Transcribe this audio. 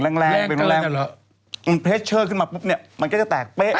ต้องบอกว่าอุ่นพเลเชอร์ขึ้นมาที่จะแตกเป๊ะ